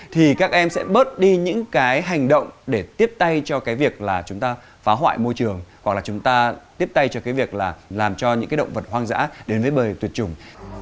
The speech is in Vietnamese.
thì các em sẽ bớt đi những cái hành động để tiếp tay cho cái việc là chúng ta phá hoại môi trường gọi là chúng ta tiếp tay cho cái việc là làm cho những cái động vật hoang dã đến với bờ tuyệt chủng